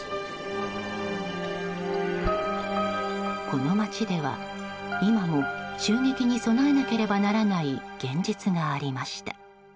この街では今も襲撃に備えなければならない現実がありました。